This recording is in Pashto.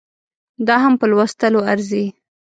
دا هم په لوستلو ارزي